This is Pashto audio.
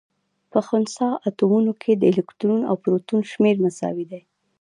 په خنثا اتومونو کي د الکترون او پروتون شمېر مساوي. دی